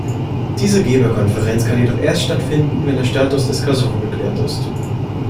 Diese Geberkonferenz kann jedoch erst stattfinden, wenn der Status des Kosovo geklärt ist.